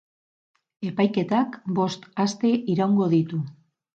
Epaiketak bost aste iraungo ditu.